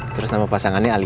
terus nama pasangannya alia